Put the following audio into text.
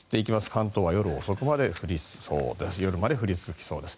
関東は夜遅くまで降りそうです。